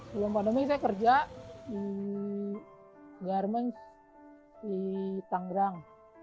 sebelum pandemi saya kerja di garmen di tanggrang